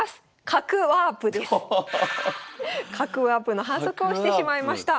角ワープの反則をしてしまいました。